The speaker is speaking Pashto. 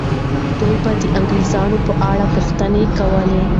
دوی به د انګریزانو په اړه پوښتنه کوله.